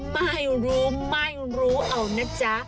ไม่รู้เอานะจ๊ะ